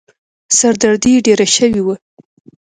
سر دردي يې ډېره شوې وه.